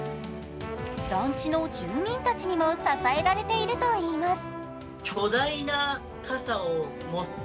団地の住人たちにも支えられているといいます。